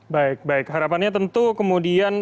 baik baik harapannya tentu kemudian